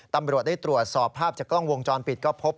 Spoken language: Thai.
ตำรวจได้ตรวจสอบภาพจากกล้องวงจรปิดก็พบ